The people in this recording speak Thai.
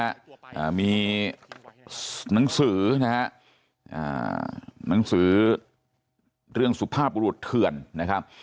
อ่ามีหนังสือนะฮะอ่าหนังสือเรื่องสุภาพบุรุษเถื่อนนะครับ